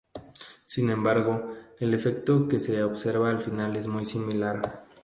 Sin embargo, el efecto que se observa al final es muy similar.